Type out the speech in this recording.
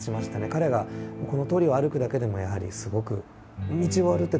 彼がこの通りを歩くだけでもやはりすごく。